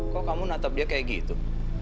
kok kamu natap dia kayak gitu